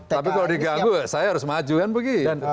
tapi kalau diganggu saya harus maju kan begitu